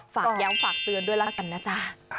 ฝากย้ำฝากเตือนด้วยแล้วกันนะจ๊ะ